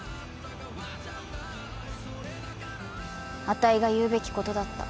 あたいが言うべきことだった。